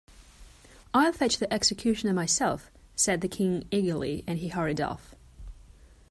‘I’ll fetch the executioner myself,’ said the King eagerly, and he hurried off.